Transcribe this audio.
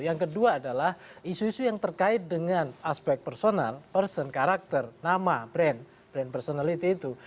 yang kedua adalah isu isu yang terkait dengan aspek personal person karakter nama brand brand personality itu